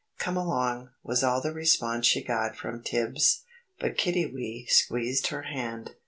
"Come along," was all the response she got from Tibbs, but Kiddiwee squeezed her hand.